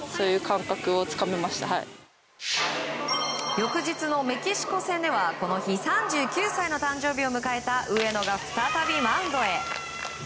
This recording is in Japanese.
翌日のメキシコ戦ではこの日、３９歳の誕生日を迎えた上野が再びマウンドへ。